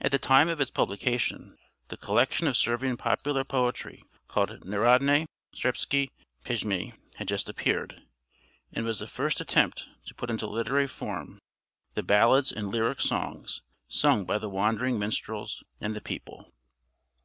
At the time of its publication, the collection of Servian popular poetry called 'Narodne srpske pjesme' had just appeared, and was the first attempt to put into literary form the ballads and lyric songs sung by the wandering minstrels and the people.